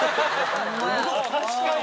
確かに！